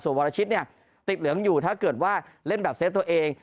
วรชิตเนี่ยติดเหลืองอยู่ถ้าเกิดว่าเล่นแบบเซฟตัวเอง